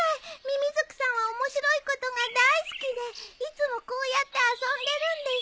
ミミズクさんは面白いことが大好きでいつもこうやって遊んでるんです。